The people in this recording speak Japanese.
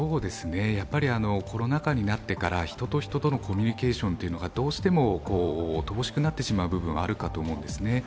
コロナ禍になってから人と人とのコミュニケーションがどうしても乏しくなってしまう部分があるかと思うんですね。